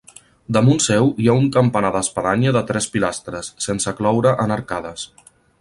Damunt seu hi ha un campanar d'espadanya de tres pilastres, sense cloure en arcades.